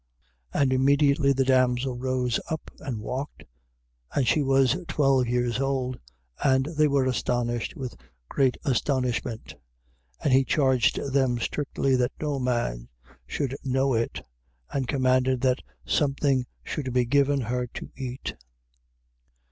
5:42. And immediately the damsel rose up, and walked: and she was twelve years old: and they were astonished with a great astonishment. 5:43. And he charged them strictly that no man should know it: and commanded that something should be given her to eat.